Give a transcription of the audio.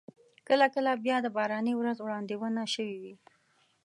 کله کله بیا د باراني ورځ وړاندوينه شوې وي.